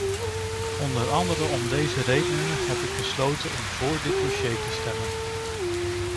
Onder andere om deze redenen heb ik besloten om vóór dit dossier te stemmen.